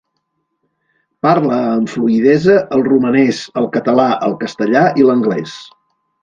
Parla amb fluïdesa el romanès, el català, el castellà i l'anglès.